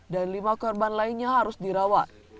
dan lima korban lainnya harus dirawat